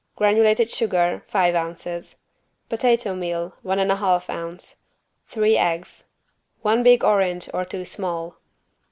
Granulated sugar, five ounces. Potato meal, one and a half ounce. Three eggs. One big orange or two small.